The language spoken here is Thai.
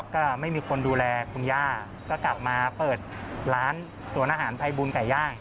ก็ไม่มีคนดูแลคุณย่าก็กลับมาเปิดร้านสวนอาหารภัยบุญไก่ย่าง